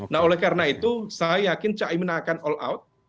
nah oleh karena itu saya yakin caimin akan all out